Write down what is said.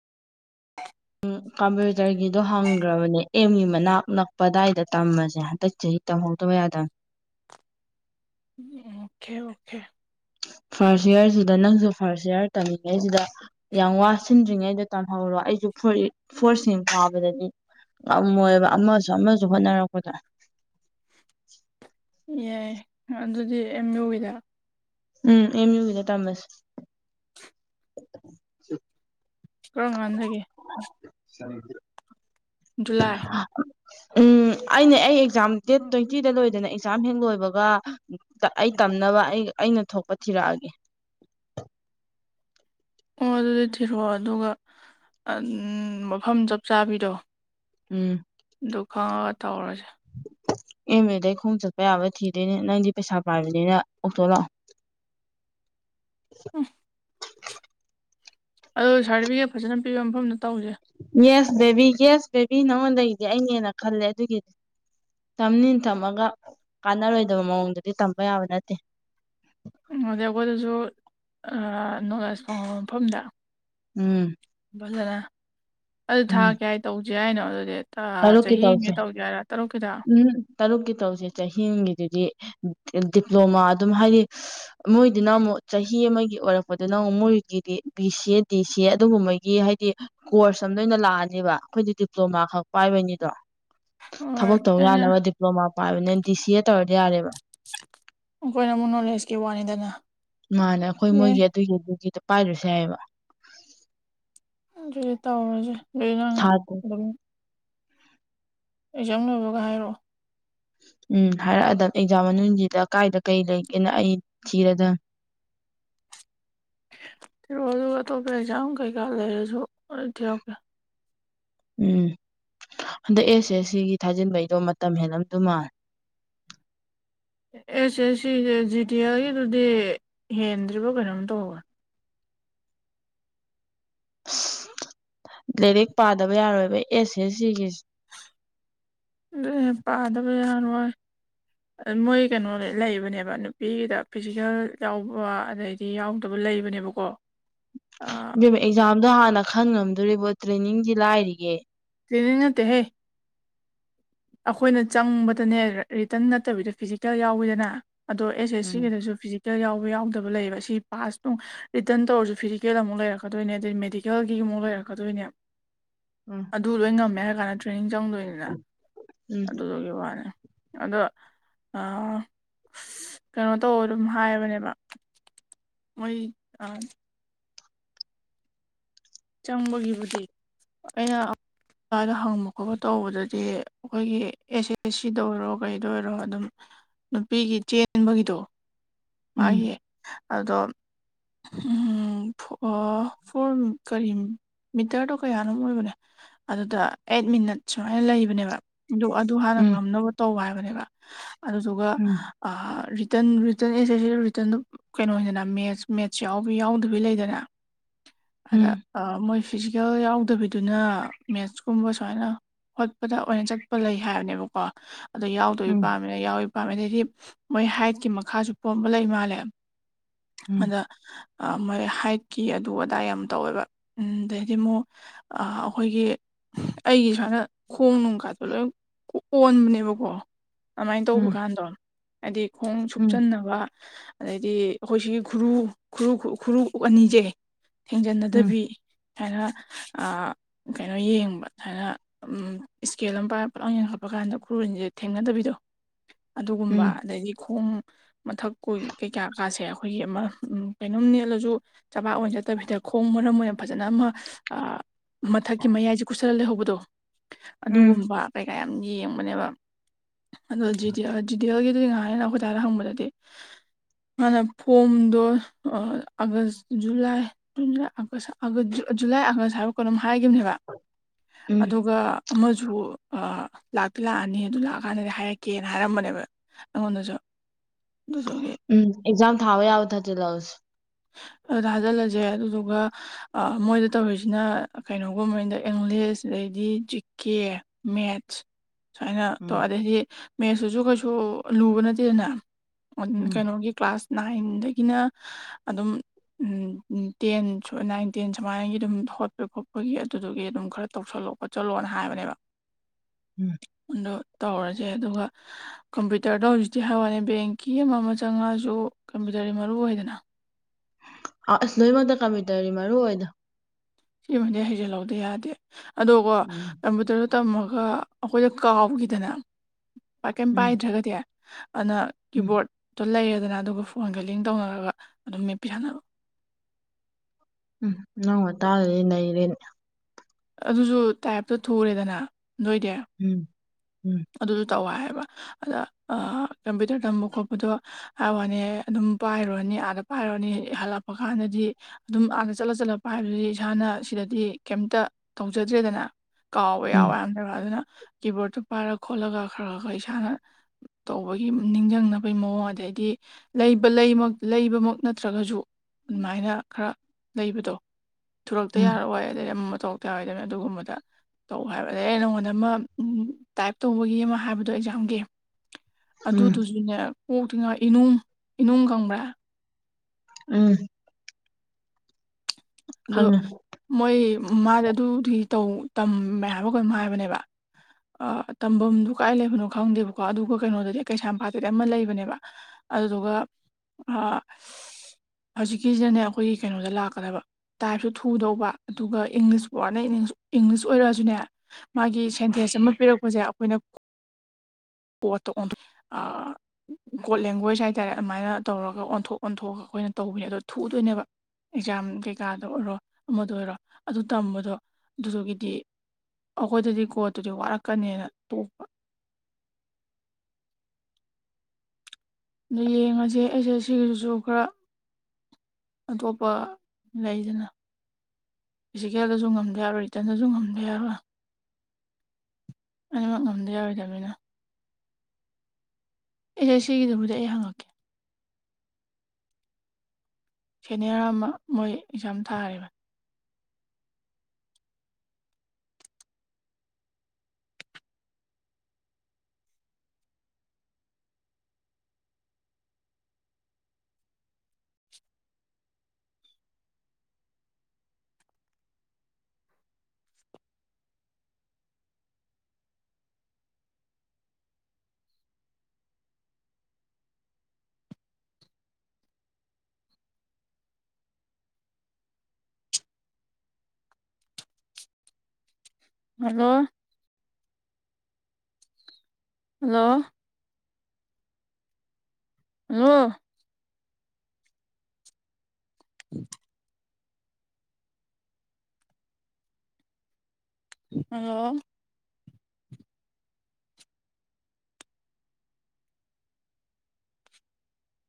[inaudible] ꯀꯝꯄ꯭ꯌꯨꯇꯔꯒꯤꯗꯣ ꯍꯪꯈ꯭ꯔꯕꯅꯦ ꯑꯦꯝꯒꯤ ꯃꯅꯥꯛ ꯅꯛꯄ ꯑ ꯑꯗꯨꯗꯥꯏꯗ ꯇꯝꯃꯁꯦ ꯍꯟꯗꯛ ꯆꯍꯤ ꯇꯝꯍꯧꯗ ꯍ ꯌꯥꯗ ꯑꯣꯀꯦ ꯑꯣꯦ ꯐꯥꯔꯁ ꯏꯌꯥꯔꯁꯤꯗ ꯅꯪꯁꯨ ꯐꯥꯔꯁ ꯏꯌꯥꯔ ꯇꯝꯃꯤꯉꯩꯁꯤꯗ ꯌꯥꯝ ꯋꯥꯁꯤꯟꯗ꯭ꯔꯤꯉꯩꯗꯣ ꯇꯝꯍꯧꯔꯣ ꯑꯩꯁꯨ ꯐ ꯐꯣꯔꯁꯤꯡ ꯐꯥꯕꯗꯗꯤ ꯉꯃꯣꯏꯕ ꯑꯃꯁꯨ ꯑꯃꯁꯨ ꯍꯣꯠꯅꯔꯛꯄꯗ ꯌꯥꯏ ꯑꯗꯨꯗꯤ ꯑꯦꯝ ꯌꯨꯋꯤꯗ ꯎꯝ ꯑꯃꯤ ꯌ ꯀꯗ ꯇꯥꯃꯁ ꯀ ꯉꯖꯒꯦ ꯁꯅꯤ ꯖꯂꯥꯏ ꯎꯝ ꯑꯅꯦ ꯑꯩ ꯑꯦꯛꯖꯥꯝ ꯗꯦꯠ ꯇ꯭ꯋꯦꯟꯇꯤꯗ ꯂꯣꯏꯗꯅ ꯑꯦꯛꯖꯥꯝ ꯍꯦꯛ ꯂꯣꯏꯕꯒ ꯑꯩ ꯇꯝꯅꯕ ꯑꯩ ꯑꯩꯅ ꯊꯣꯛꯄ ꯊꯤꯔꯛꯑꯒꯦ [unintelligible] ꯑꯣ ꯑꯗꯨꯗꯤ ꯊꯤꯔꯛꯑꯣ ꯑꯗꯨꯒ ꯃꯐꯝ ꯆꯞ ꯆꯥꯕꯤꯗꯣ ꯎꯝ ꯗꯨ ꯈꯒ ꯇꯧꯔꯁꯦ ꯑꯃꯦꯗꯩ ꯈꯣꯡ ꯆꯠꯄ ꯌꯥꯕ ꯊꯤꯗꯣꯏꯅꯦ ꯅꯪꯗꯤ ꯄꯩꯁꯥ ꯄꯥꯏꯕꯅꯤꯅ ꯑꯣꯛꯇꯣ ꯂꯥꯛꯑꯣ [unintelligible] ꯑ ꯑꯣ ꯁꯥꯔꯇꯤꯐꯤꯀꯦꯠ ꯐꯖꯅꯤꯕ ꯃꯐꯝꯗꯨ ꯌꯦꯁ ꯕꯦꯕꯤ ꯌꯦꯁ ꯕꯦꯕꯤ ꯅꯉꯣꯟꯗꯒꯤꯗꯤ ꯑꯩꯅꯦꯅ ꯈꯜꯂꯦ ꯑꯗꯨꯒꯤꯗꯤ ꯇꯝꯅꯤ ꯊꯝꯃꯒ ꯀꯥꯟꯅꯔꯣꯏꯗꯕ ꯃꯑꯣꯡꯗꯗꯤ ꯇꯝꯕ ꯌꯥꯕ ꯅꯠꯇꯦ ꯑꯗꯨꯗꯩ ꯑꯩꯈꯣꯏꯗꯁꯨ ꯅꯣꯔꯠꯦꯁ ꯐꯥꯎꯉꯕ ꯃꯐꯝꯗ ꯎꯝ ꯐꯖꯅ ꯑꯗꯨ ꯊꯥ ꯎꯝ ꯀꯦ ꯍꯥꯏ ꯇꯧꯁ ꯍꯥꯏꯅꯣ ꯑꯗꯨꯗꯤ ꯇꯔꯨꯛꯀꯤ ꯇꯧꯁꯦ ꯆꯍꯤꯒꯤ ꯇꯧꯒꯦ ꯍꯥꯏꯔꯥ ꯇꯔꯨꯛꯀꯤꯗ ꯎꯝ ꯇꯔꯨꯛꯀꯤ ꯇꯔꯨꯛꯁꯦ ꯆꯍꯤꯒꯤꯗꯨꯗꯤ ꯗꯤꯄ꯭ꯂꯣꯃꯥ ꯑꯗꯨꯝ ꯍꯥꯏꯗꯤ ꯃꯣꯏꯗꯨꯅ ꯑꯃꯨꯛ ꯆꯍꯤ ꯑꯃꯒꯤ ꯑꯣꯏꯔꯛꯄꯗꯨꯅ ꯃꯣꯏꯒꯤꯗꯤ ꯕꯤ ꯁꯤ ꯑꯦ ꯗꯤ ꯁꯤ ꯑꯦ ꯑꯗꯨꯒꯨꯝꯕꯒꯤ ꯍꯥꯏꯗꯤ ꯀꯣꯔꯁ ꯁ ꯂꯣꯏ ꯂꯑꯅꯦꯕꯈꯣꯏꯗꯤ ꯗꯤꯄ꯭ꯂꯣꯃꯥ ꯈꯛ ꯄꯥꯏꯕꯅꯤꯗꯣ ꯍꯣꯏ ꯊꯕꯛꯛꯇꯧ ꯑꯦ ꯌꯥꯅꯕ ꯗꯤꯄ꯭ꯂꯣꯃꯥ ꯄꯥꯏꯕꯅꯤ ꯗꯤ ꯁꯤ ꯑꯦ ꯇꯧꯔꯗꯤ ꯌꯥꯔꯦꯕ ꯑꯩꯈꯣꯏꯅ ꯑꯃꯨꯛ ꯅꯣꯂꯦꯖꯀꯤ ꯋꯥꯅꯤꯗꯅ ꯃꯥꯅ ꯑꯩꯈꯣꯏ ꯌꯥꯏ ꯃꯣꯏꯒꯤ ꯑꯗꯨꯒꯤ ꯑꯗꯨꯒꯤꯗ ꯄꯥꯏꯔꯨꯁꯦ ꯍꯥꯏꯌꯦꯕ ꯑꯗꯨ ꯇꯧꯔꯁꯦ ꯑꯗꯨ ꯅꯪ ꯊꯥ ꯑꯗꯨꯝ ꯑꯩꯖꯝ ꯂꯣꯏꯕꯒ ꯍꯥꯏꯔꯛꯑꯣ ꯎꯝ ꯍꯥꯏꯔꯛꯑꯗ ꯑꯦꯛꯖꯥꯝ ꯃꯅꯨꯡꯁꯤꯗ ꯀꯥꯏꯗ ꯀꯩ ꯂꯩꯒꯦꯅ ꯑꯩ ꯊꯤꯔꯗ [unintelligible] ꯑꯗꯨꯒꯇ ꯄꯖꯝ ꯀꯩꯀꯥ ꯂꯩꯔꯁꯣ ꯊ ꯑꯣꯀꯦ ꯎꯝ ꯍꯟꯗꯛ ꯑꯦꯁꯦ ꯁꯤꯒꯤ ꯊꯥꯖꯤꯟꯕꯩꯗꯣ ꯃꯇꯝ ꯍꯦꯜꯂꯝꯗꯨ ꯃꯥꯜ [unintelligible] ꯑꯦꯁꯦ ꯁꯤꯁꯦ ꯖꯤꯇꯤꯌꯥꯒꯤꯗꯨꯗꯤ ꯍꯦꯟꯗ꯭ꯔꯤꯕꯣ ꯀꯩꯅꯣꯝ ꯇꯧꯕ ꯂꯥꯏꯔꯤꯛ ꯄꯥꯗꯕ ꯌꯥꯔꯣꯏꯕ ꯑꯦꯁ ꯑꯦ ꯁꯤꯒꯤꯁ ꯂꯩ ꯄꯥꯗꯕ ꯌꯥꯅ ꯑꯣꯏ ꯃꯣꯏ ꯀꯩꯅꯣ ꯂꯩꯕꯅꯦꯕ ꯅꯨꯄꯤꯒꯤꯗ ꯐꯤꯖꯤꯀꯦꯜ ꯌꯥꯎꯕ ꯑꯗꯩꯗꯤ ꯌꯥꯎꯗꯕ ꯂꯩꯕꯅꯦꯕꯀꯣ ꯑꯥ ꯦꯝ ꯑꯦꯛꯖꯥꯝꯗꯣ ꯍꯥꯟꯅ ꯈꯟ ꯉꯝꯗꯣꯔꯤꯕꯣ ꯇ꯭ꯔꯦꯅꯤꯡꯗꯤ ꯂꯥꯏꯔꯤꯒꯦ ꯀꯔꯤꯅ ꯇꯍꯦ ꯑꯩꯈꯣꯏꯅ ꯆꯪꯕꯗꯅꯦ ꯔꯤꯇꯟ ꯅꯠꯇꯕꯤꯗ ꯐꯤꯖꯤꯀꯦꯜ ꯌꯥꯎꯋꯤꯗꯅ ꯑꯗꯣ ꯑꯦꯁ ꯑꯦꯁ ꯎꯝ ꯁꯤꯒꯤꯗꯁꯨ ꯐꯤꯖꯤꯛ ꯐꯤꯀꯦꯜ ꯌꯥꯎꯕ ꯌꯥꯎꯗꯕ ꯂꯩꯌꯦꯕ ꯁꯤ ꯄꯥꯁꯇꯅꯨꯡ ꯔꯤꯇꯔꯟ ꯇꯧꯔꯁꯨ ꯐꯤꯖꯤꯀꯦꯜ ꯑꯃꯨꯛ ꯂꯩꯔꯛꯀꯗꯣꯏꯅꯦ ꯑꯗꯨꯗꯩ ꯃꯦꯗꯤꯀꯦꯜꯒꯤ ꯃꯨꯝ ꯂꯩ ꯑꯀꯗꯨꯣꯏꯅꯤꯝ ꯎꯝ ꯑꯗꯨ ꯂꯣꯏ ꯉꯝꯃꯦ ꯍꯥꯏ ꯀꯥꯟꯗ ꯇ꯭ꯔꯦꯅꯤꯡ ꯆꯪꯗꯣꯏꯅꯤꯅ ꯎꯝ ꯑꯗꯨꯗꯨꯒꯤ ꯋꯥꯅꯤ ꯑꯗꯣ ꯑ ꯀꯩꯅꯣ ꯇꯧ ꯑꯗꯨꯝ ꯍꯥꯏꯕꯅꯦꯕ ꯑꯣꯏꯣꯏ ꯑ ꯆꯝꯕꯒꯤꯕꯨꯗꯤ ꯑꯩꯅ ꯏꯁꯗ ꯍꯪꯕ ꯈꯣꯠꯄ ꯇꯧꯕꯗꯗꯤ ꯑꯩꯈꯣꯏꯒꯤ ꯑꯦꯁ ꯑꯦ ꯑꯦꯁ ꯁꯤꯗ ꯑꯣꯏꯔꯣ ꯀꯩꯗ ꯑꯣꯏꯔꯣ ꯑꯗꯨꯝ ꯅꯨꯄꯤꯒꯤ ꯆꯦꯟꯕꯒꯤꯗꯣ ꯃꯥꯒꯤ ꯑꯗꯣ ꯎꯝ ꯐ ꯀꯔꯤ ꯃꯤꯇꯔꯗꯣ ꯀꯌꯥꯅꯣ ꯑꯣꯏꯕꯅꯦ ꯑꯗꯨꯗ ꯑꯩꯠ ꯃꯤꯅꯠ ꯁꯨꯃꯥꯏꯅ ꯂꯩꯕꯅꯦꯕ ꯑꯗꯨꯣ ꯑꯗꯨ ꯍꯥꯟꯅ ꯎꯝ ꯉꯝꯅꯕ ꯇꯧꯕ ꯍꯥꯏꯕꯅꯦꯕ ꯑꯗꯨꯗꯨꯒ ꯎꯝ ꯔꯤꯇꯟ ꯔꯤꯇꯟ ꯑꯩꯁꯦ ꯁꯤ ꯔꯤꯇꯔꯟꯗꯨ ꯀꯩꯅꯣ ꯑꯣꯏꯗꯅ ꯃꯦꯠꯁ ꯃꯦꯠꯁ ꯌꯥꯎꯕ ꯌꯥꯎꯗꯕꯤ ꯂꯩꯗꯅ ꯑꯗ ꯎꯝ ꯃꯣꯏ ꯐꯤꯖꯤꯀꯦꯜ ꯌꯥꯎꯗꯕꯤꯗꯨꯅ ꯃꯦꯠꯁꯀꯨꯝꯕ ꯁꯨꯃꯥꯏꯅ ꯍꯣꯠꯄꯗ ꯑꯣꯏꯅ ꯆꯠꯄ ꯂꯩ ꯍꯥꯏꯕꯅꯦꯕꯀꯣ ꯑꯗꯣ ꯌꯥꯎꯗꯣꯏꯕ ꯎꯝ ꯄꯥꯝꯃꯤꯅ ꯌꯥꯎꯤ ꯄꯥꯝꯃꯦ ꯑꯗꯩꯗꯤ ꯃꯣꯏ ꯍꯥꯏꯠꯀꯤ ꯃꯈꯥꯁꯨ ꯄꯣꯝꯕ ꯂꯩ ꯃꯥꯜꯂꯦ ꯎꯝ ꯑꯗ ꯑ ꯃ ꯍꯥꯏꯠꯀꯤ ꯑꯗꯨ ꯑꯗꯥꯏ ꯌꯥꯝ ꯇꯧꯋꯦꯕ ꯑꯗꯩꯗꯤ ꯑꯃꯨꯛ ꯑꯩꯈꯣꯏꯒꯤ ꯑꯩꯒꯤ ꯁꯨꯃꯥꯏꯅ ꯈꯣꯡ ꯅꯨꯡ ꯀꯥꯗꯣ ꯂꯣꯏ ꯑꯣꯟꯕꯅꯦꯕꯀꯣ ꯑꯗꯨꯃꯥꯏꯅ ꯇꯧꯕ ꯎꯝ ꯀꯥꯟꯗꯣ ꯍꯥꯏꯗꯤ ꯈꯣꯡ ꯎꯝ ꯎꯝ ꯁꯨꯞꯆꯟꯅꯕ ꯑꯗꯩꯗꯤ ꯑꯩꯈꯣꯏ ꯁꯤꯒꯤ ꯈꯨꯔꯨ ꯈꯨꯨ ꯈꯨꯔꯨ ꯑꯅꯤꯁꯦ ꯎꯝ ꯊꯦꯡꯖꯤꯟꯅꯗꯕꯤ ꯍꯥꯏꯅ ꯑ ꯀꯩꯅꯣ ꯌꯦꯡꯕ ꯁꯨꯃꯥꯏꯅ ꯏꯁꯀꯦꯜ ꯑꯃ ꯄꯂꯥꯡ ꯌꯦꯡꯈꯠꯄ ꯀꯥꯟꯗ ꯈꯨꯔꯟꯁꯦ ꯊꯦꯡꯅꯗꯕꯤꯗꯣ ꯑꯗꯨꯒꯨꯝꯕ ꯎꯝ ꯑꯗꯩꯗꯤ ꯈꯣꯡ ꯃꯊꯛ ꯀꯨ ꯀꯩꯀꯥꯀꯥꯁꯦ ꯑꯩꯈꯣꯏꯒꯤ ꯑꯃ ꯎ ꯀꯩꯅꯣꯝ ꯅꯦꯜꯂꯁꯨ ꯆꯕꯥꯛ ꯑꯣꯏꯅ ꯆꯠꯇꯕꯤꯗ ꯈꯣꯡ ꯃꯔꯝ ꯑꯣꯏ ꯐꯖꯅ ꯑꯃ ꯃꯊꯛꯀꯤ ꯃꯌꯥꯏꯁꯦ ꯀꯨꯁꯜꯂ ꯂꯩꯍꯧꯕꯗꯣ ꯎꯝ ꯑꯗꯨꯒꯨꯝꯕ ꯀꯩꯀꯥ ꯌꯦꯡꯕꯅꯦꯕ ꯑꯗꯣ ꯖꯤꯗꯤ ꯖꯤꯗꯤꯜꯒꯤꯗꯨ ꯉꯥꯏꯅ ꯑꯩꯈꯣꯏꯇꯥꯔ ꯍꯪꯕꯗꯗꯤ [inaudible] ꯍꯥꯟꯅ ꯐꯣꯝꯗꯣ ꯑꯥꯒꯁ ꯖꯨꯂꯥꯏꯖꯨꯟ ꯖꯨꯂꯥꯏ ꯑꯒꯁ ꯑ ꯖꯨꯂꯥꯏ ꯑꯥꯒꯁ ꯍꯥꯏꯔꯛꯀ ꯑꯗꯨꯝ ꯍꯥꯏꯈꯤꯕꯅꯦꯕ ꯎꯝ ꯑꯗꯨꯒ ꯑꯃꯁꯨ ꯂꯥꯛꯇꯤ ꯂꯥꯛꯑꯅꯤ ꯑꯗꯨ ꯂꯥꯛꯑꯀꯥꯟꯗꯗꯤ ꯍꯥꯏꯔꯛꯀꯦꯅ ꯍꯥꯏꯔꯝꯕꯅꯦꯕ ꯑꯩꯉꯣꯟꯗꯁꯨ ꯑꯗꯨꯗꯨꯒꯤ ꯎꯝ ꯑꯦꯛꯖꯝ ꯊꯥꯎꯦ ꯑ ꯊ ꯆꯦꯂꯥꯎꯁ ꯑ ꯑꯗꯨꯗ ꯊꯥꯖꯤꯜꯂꯁꯦ ꯑꯗꯨꯗꯨꯒ ꯃꯣꯏꯗ ꯇꯧꯔꯤꯁꯤꯅ ꯀꯩꯅꯣꯒꯨꯝ ꯃꯦꯟꯗ ꯏꯪꯂꯤꯁ ꯑꯗꯩ ꯗꯤ ꯖꯤꯀꯦ ꯃꯦꯠꯆ ꯁꯨꯃꯥꯏꯅ ꯎꯝ ꯇꯧꯔ ꯑꯗꯩꯗꯤ ꯃꯦꯁꯇꯨꯁꯨ ꯀꯩꯁꯨ ꯂꯨꯕ ꯅꯠꯇꯦꯗꯅ ꯎꯝ ꯀꯩꯅꯣꯒꯤ ꯀ꯭ꯂꯥꯁ ꯅꯥꯏꯟꯗꯒꯤꯅ ꯑꯗꯨꯝ ꯎ ꯇꯦꯟ ꯅꯥꯏꯟ ꯇꯦꯟ ꯁꯨꯃꯥꯏꯅꯒꯤ ꯑꯗꯨꯝ ꯍꯧꯒꯠꯄꯒꯤ ꯈꯣꯠꯄꯒꯤ ꯑꯗꯨꯗꯨꯒꯤ ꯑꯗꯨꯝ ꯈꯔ ꯇꯧꯁꯜꯂꯛꯦ ꯂ ꯈꯠ ꯆꯣꯠꯂꯣꯅ ꯍꯥꯏꯕꯅꯦꯕ ꯎꯝ ꯑ ꯇꯧꯔꯁꯦ ꯑꯗꯨꯒ ꯀꯝꯄ꯭ꯌꯨꯇꯔꯗꯣ ꯍꯧꯖꯤꯛꯇꯤ ꯍꯋꯥꯅꯤ ꯕꯦꯡꯀꯤ ꯑꯃ ꯑꯃ ꯆꯪꯉꯛꯑꯁꯨꯝ ꯐꯖꯔꯤ ꯃꯔꯨ ꯑꯣꯏꯗꯅ ꯑꯥꯎ ꯑꯁ ꯂꯣꯏꯃꯗ ꯀꯥꯃꯤ ꯇꯧꯔꯤ ꯃꯔꯨ ꯑꯣꯏꯗ ꯁꯤꯃꯗꯤ ꯍꯩꯖꯤꯜꯍꯧꯗ ꯌꯥꯗꯦ ꯑꯗꯣ ꯀꯣ ꯎꯝ ꯀꯝꯄꯨꯇꯔꯗ ꯇꯝꯃꯒ ꯑꯩꯈꯣꯏꯗ ꯀꯥꯎꯈꯤꯗꯅ ꯀꯩꯝ ꯎꯝ ꯄꯥꯏꯗ꯭ꯔꯒꯗꯤ ꯑꯗꯨꯅ ꯎꯝ ꯀꯤꯕꯣꯔꯗꯠꯇꯣ ꯂꯩꯌꯦ ꯑꯗꯨꯅ ꯑꯗꯨꯒ ꯐꯣꯟꯒꯂꯤꯡ ꯇꯧꯅꯔꯒ ꯑꯗꯨꯝ ꯃꯦꯄꯤꯍꯕ ꯎꯝ ꯅꯪ ꯇꯥ ꯅ ꯏꯗꯦꯅꯦ ꯑꯗꯨꯁꯨ ꯇꯥꯏꯞꯇꯣ ꯊꯨꯔꯦꯗꯅ ꯅꯣꯏꯗꯤ ꯎꯝ ꯎꯝ ꯇꯧꯋꯑꯕ ꯑꯗ ꯀꯝꯄ꯭ꯌꯨꯇꯔ ꯇꯝꯕ ꯈꯣꯠꯄꯗꯣ ꯍꯥꯏ ꯋꯥꯅꯤ ꯑꯗꯨꯝ ꯄꯥꯏꯔꯨꯔꯅꯤ ꯑꯥꯗ ꯄꯥꯏꯔꯛꯑꯅꯤ ꯍꯜꯂꯛꯄ ꯀꯥꯟꯗꯗꯤ ꯑꯗꯨꯝ ꯑꯥꯗ ꯆꯠꯂ ꯆꯠꯂ ꯄꯥꯏꯕꯗꯨꯗꯤ ꯏꯁꯥꯅ ꯁꯤꯗꯗꯤ ꯀꯩꯝꯇ ꯇꯧꯖꯗ꯭ꯔꯦꯗꯅ ꯀꯥꯎꯕ ꯌꯥꯎꯋ ꯎꯝ ꯌꯥꯝꯗ꯭ꯔꯕ ꯑꯗꯨꯅ ꯀꯤꯕꯣꯔꯗꯠꯇꯨ ꯄꯥꯏꯔ ꯈꯣꯠꯂꯒ ꯈꯔ ꯈꯔ ꯈꯔ ꯏꯁꯥꯅ ꯇꯧꯕꯒꯤ ꯅꯤꯡꯁꯤꯡꯅꯕꯒꯤ ꯃꯑꯣꯡ ꯑꯗꯩꯗꯤ ꯂꯩꯕ ꯂꯩꯕꯃꯛ ꯅꯠꯇ꯭ꯔꯒꯁꯨ ꯑꯗꯨꯃꯥꯏꯅ ꯈꯔ ꯂꯩꯕꯗꯣ ꯁꯨꯔꯛꯇ ꯎꯝ ꯌꯥꯔꯑꯣꯏ ꯑꯗꯩ ꯑꯃ ꯇꯣꯛꯇ ꯍꯥꯏꯗꯅ ꯑꯗꯨꯒꯨꯝꯕꯗ ꯇꯧ ꯍꯥꯏꯕ ꯑꯗꯩ ꯑ ꯅꯪꯉꯣꯟꯗ ꯑꯃ ꯎ ꯇꯥꯏꯞ ꯇꯧꯕꯒꯤ ꯑꯃ ꯍꯥꯏꯕꯗꯣ ꯑꯦꯛꯖꯥꯝꯒꯤ ꯎꯝ ꯑꯗꯨꯗꯨꯁꯨꯅꯦ ꯑꯣꯇ꯭ꯔꯤꯉꯩ ꯏꯅ ꯏꯅꯅꯨꯡ ꯈꯪꯕ꯭ꯔꯥ ꯎꯝ ꯑꯗꯨ ꯈꯪꯉꯦ ꯃꯣꯏ ꯃꯥꯗ ꯑꯗꯨꯗꯤ ꯃꯌꯥꯝ ꯑꯃ ꯀꯝ ꯍꯥꯏꯕꯅꯦꯕ ꯑ ꯇꯝꯐꯝꯗꯨ ꯀꯥꯏ ꯂꯩꯕꯅꯣ ꯈꯪꯗꯦꯕꯀꯣ ꯑꯗꯨꯒ ꯀꯩꯅꯣꯗꯗꯤ ꯀꯩꯁꯥꯝꯄꯥꯠꯇꯗꯤ ꯑꯃ ꯂꯩꯕꯅꯦꯕ ꯑꯗꯨꯗꯨꯒ ꯍꯧꯖꯤꯛꯀꯤꯁꯤꯗꯅꯦ ꯑꯩꯈꯣꯏꯒꯤ ꯀꯩꯅꯣꯗ ꯂꯥꯛꯀꯗꯕ ꯇꯥꯏꯞꯁꯨ ꯊꯨꯗꯧꯕ ꯑꯗꯨꯒ ꯏꯪꯂꯤꯁ ꯄꯣꯔꯅ ꯏꯪꯂꯤꯁ ꯑꯣꯏꯔꯛꯑꯁꯨꯅꯦ ꯃꯥꯒꯤꯦꯟ ꯦꯁ ꯑꯃ ꯄꯤꯔꯛꯄꯁꯦ ꯑꯩꯈꯣꯏꯅ ꯄꯣꯠꯇꯣ ꯀꯣꯠ ꯂꯦꯡꯒ꯭ꯋꯦꯖ ꯍꯥꯏꯇꯥꯔꯦ ꯑꯗꯨꯃꯥꯏꯅ ꯇꯧꯔꯒ ꯑꯣꯟꯊꯣꯛ ꯑꯣꯟꯊꯣꯛꯑꯒ ꯑꯩꯈꯣꯏꯅ ꯇꯧꯕꯅꯦ ꯑꯗꯣ ꯊꯨꯗꯣꯏꯅꯦꯕ ꯑꯦꯛꯖꯥꯝ ꯀꯩꯀꯥꯗ ꯑꯣꯏꯔꯣ ꯑꯃꯗ ꯑꯣꯏꯔꯣ ꯑꯗꯨ ꯇꯝꯕꯗꯣ ꯑꯗꯨꯒꯤꯗꯤ ꯑꯩꯈꯣꯏꯗꯗꯤ ꯀꯣꯠꯇꯨꯗꯤ ꯋꯥꯔꯛꯀꯅꯦꯅ ꯇꯣꯛꯄ ꯑꯗꯨꯣ ꯌꯦꯡꯉꯁꯦ ꯑꯩꯁꯦ ꯁꯤꯒꯤꯁꯤꯁꯨ ꯈꯔ ꯑꯇꯣꯞꯄ ꯂꯩꯗꯅ ꯐꯤꯖꯤꯀꯦꯜꯗꯁꯨ ꯉꯝꯗ ꯌꯥꯔꯣꯏ ꯔꯤꯇꯔꯟꯗꯁꯨ ꯉꯝꯗ ꯌꯥꯔꯣꯏ ꯑꯅꯤꯃꯛ ꯉꯝꯗꯤ ꯌꯥꯎꯔꯗꯅꯤꯅ ꯑꯦꯁ ꯁꯤꯒꯤꯗꯕꯨꯗꯤ ꯑꯩ ꯍꯪꯉꯛꯀꯦ ꯁꯦꯅꯤꯌꯔ ꯑꯃ ꯃꯣꯏ ꯑꯦꯛꯖꯥꯝ ꯊꯥꯔꯤꯕ ꯍꯜꯂꯣ ꯍꯜꯂꯣ ꯑꯣ ꯎꯝ ꯑꯣ